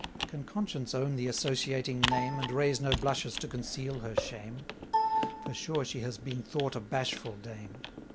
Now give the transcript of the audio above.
Can Conscience own the associating name, And raise no blushes to conceal her shame? For sure she has been thought a bashful dame.